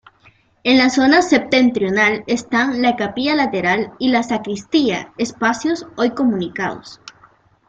En la zona septentrional están la Capilla lateral y la sacristía, espacios hoy comunicados.